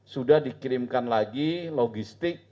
sudah dikirimkan lagi logistik